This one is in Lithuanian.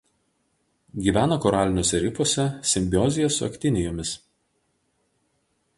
Gyvena koraliniuose rifuose simbiozėje su aktinijomis.